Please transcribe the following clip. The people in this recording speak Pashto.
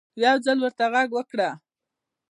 يو ځل ورته غږ وکړه